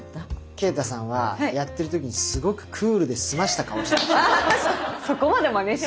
啓太さんはやってる時にすごくクールですました顔してました。